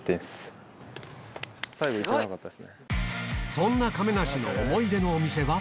そんな亀梨の思い出のお店は？